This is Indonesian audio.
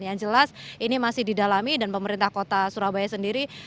yang jelas ini masih didalami dan pemerintah kota surabaya sendiri